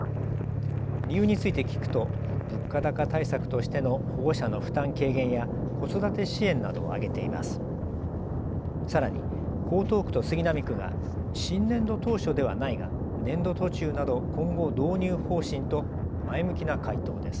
理由について聞くと物価高対策としての保護者の負担軽減や子育て支援などを挙げています。